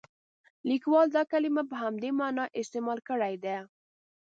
لیکوال دا کلمه په همدې معنا استعمال کړې ده.